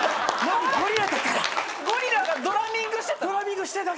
ゴリラがドラミングしてた？